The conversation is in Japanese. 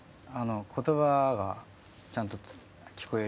言葉がちゃんと聞こえるように。